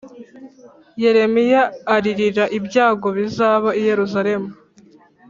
Yeremiya aririra ibyago bizaba i Yerusalemu